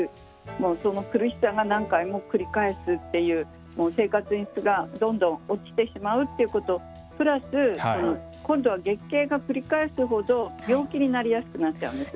もうその苦しさが何回も繰り返すっていう生活の質がどんどん落ちてしまうということプラス今度は月経が繰り返すほど病気になりやすくなっちゃうんです。